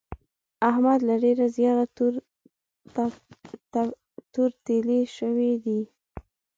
احمد له ډېره زیاره تور تېيلی شوی دی.